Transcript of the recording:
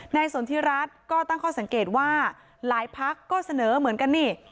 สนทิรัฐก็ตั้งข้อสังเกตว่าหลายพักก็เสนอเหมือนกันนี่